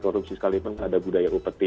korupsi sekalipun ada budaya upeti